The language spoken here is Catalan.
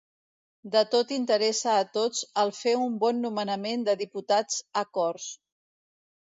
De tot interessa a tots el fer un bon nomenament de diputats a Corts.